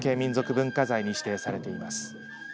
文化財に指定されています。